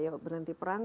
ayo berhenti perang